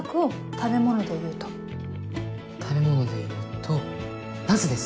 食べ物でいうとナスです。